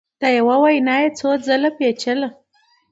دا یوه وینا یې څو ځله پېچله